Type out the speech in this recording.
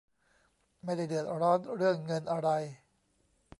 ไม่ได้เดือดร้อนเรื่องเงินอะไร